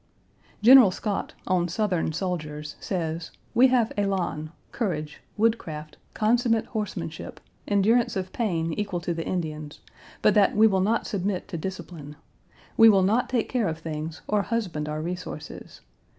General Scott, on Southern soldiers, says, we have élan, courage, woodcraft, consummate horsemanship, endurance of pain equal to the Indians, but that we will not submit to discipline. We will not take care of things, or husband our resources.